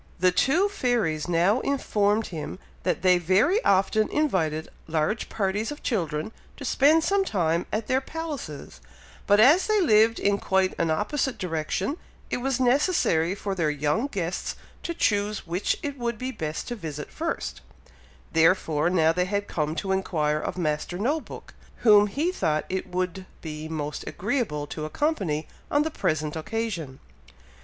The two fairies now informed him, that they very often invited large parties of children, to spend some time at their palaces, but as they lived in quite an opposite direction, it was necessary for their young guests to choose which it would be best to visit first; therefore now they had come to inquire of Master No book, whom he thought it would be most agreeable to accompany on the present occasion.